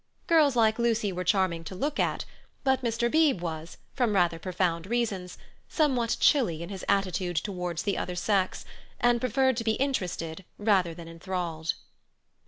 Girls like Lucy were charming to look at, but Mr. Beebe was, from rather profound reasons, somewhat chilly in his attitude towards the other sex, and preferred to be interested rather than enthralled.